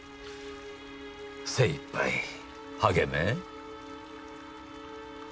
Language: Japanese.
精いっぱい励め。